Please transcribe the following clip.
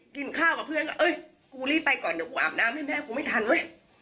กินข้าวกับเพื่อนก็เอ้ยกูรีบไปก่อนเดี๋ยวกูอาบน้ำให้แม่กูไม่ทันเว้ย